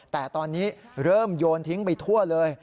แต่ตอนนี้เริ่มโยนทิ้งไปทั่วเลย